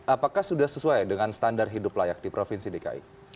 apakah sudah sesuai dengan standar hidup layak di provinsi dki